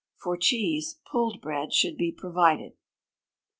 For cheese, pulled bread should be provided.